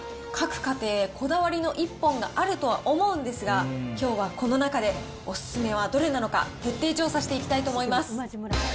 各家庭、こだわりの一本があるとは思うんですが、きょうはこの中でお勧めはどれなのか、徹底調査していきたいと思います。